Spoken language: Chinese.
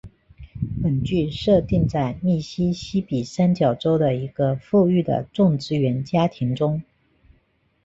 本剧设定在密西西比三角洲的一个富裕的种植园家庭中。